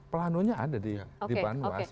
planonya ada di panwas